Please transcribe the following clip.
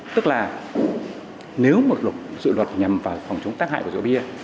tức là nếu mà dự luật nhằm vào phòng chống tác hại của rượu bia